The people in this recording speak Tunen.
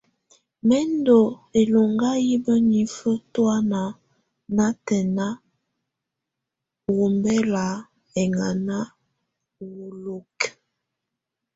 Mɛ̀ ndù ɛlɔŋga yɛ mǝnifǝ tɔ̀ána natɛna u ɔmbɛla ɛŋana ù wolokiǝ.